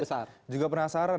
koko saya juga penasaran